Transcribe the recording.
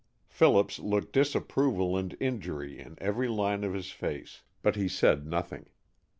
Phillips looked disapproval and injury in every line of his face, but he said nothing.